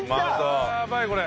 やばいこれ。